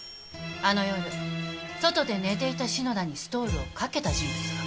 あの夜外で寝ていた篠田にストールをかけた人物が。